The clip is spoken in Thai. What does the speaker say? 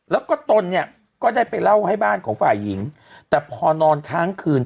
แล้วก็ตนเนี่ยก็ได้ไปเล่าให้บ้านของฝ่ายหญิงแต่พอนอนค้างคืน